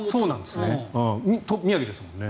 宮城ですもんね。